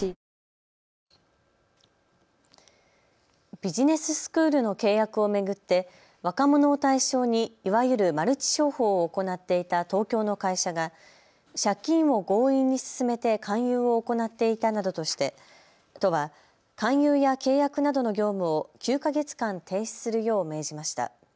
ビジネススクールの契約を巡って若者を対象にいわゆるマルチ商法を行っていた東京の会社が借金を強引に勧めて勧誘を行っていたなどとして都は勧誘や契約などの業務を９か月間停止するよう命じました。